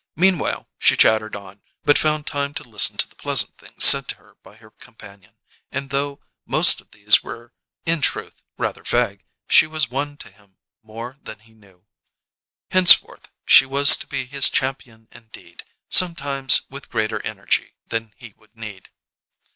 Meanwhile, she chattered on, but found time to listen to the pleasant things said to her by her companion; and though most of these were, in truth, rather vague, she was won to him more than he knew. Henceforth she was to be his champion indeed, sometimes with greater energy than he would need.